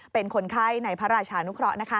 เป็นคนไข้ในพระราชานุเคราะห์นะคะ